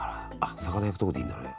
魚焼くとこでいいんだね。